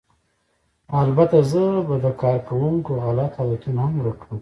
البته زه به د کارکوونکو غلط عادتونه هم ورک کړم